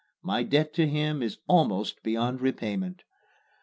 My debt to him is almost beyond repayment.